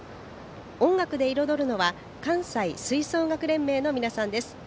音楽で彩るのは関西吹奏楽連盟の皆さんです。